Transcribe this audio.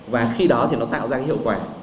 và khi đó thì nó tạo ra cái hiệu quả